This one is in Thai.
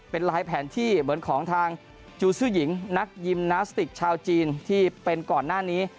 เป็นลายแผนที่เหมือนของทางจูซื่อหญิงนักยิมนาสติกชาวจีนที่เป็นก่อนหน้านี้